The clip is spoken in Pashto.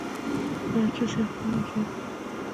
نرجس یو ښکلی ژیړ ګل دی